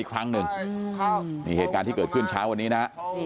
อีกครั้งหนึ่งนี่เหตุการณ์ที่เกิดขึ้นเช้าวันนี้นะ